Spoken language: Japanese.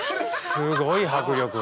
すごい迫力。